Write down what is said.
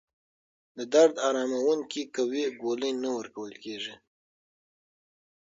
د درد اراموونکې قوي ګولۍ نه ورکول کېږي.